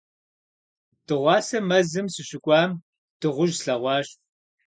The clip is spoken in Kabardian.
Дыгъуасэ мэзым сыщыкӀуам дыгъужь слъэгъуащ.